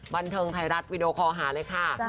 บันเทิงไทยรัฐวิดีโอคอลหาเลยค่ะ